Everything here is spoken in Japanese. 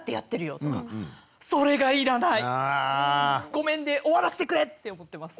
「ごめん！」で終わらせてくれ！って思ってます。